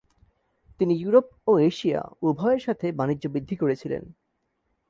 তিনি ইউরোপ ও এশিয়া উভয়ের সাথে বাণিজ্য বৃদ্ধি করেছিলেন।